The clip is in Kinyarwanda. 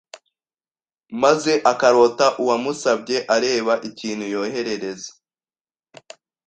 maze akarota uwamusabye areba ikintu yoherereza